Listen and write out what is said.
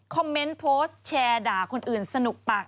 เมนต์โพสต์แชร์ด่าคนอื่นสนุกปาก